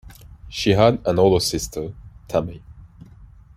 She had an older sister, Tammy.